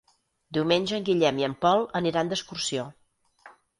Diumenge en Guillem i en Pol aniran d'excursió.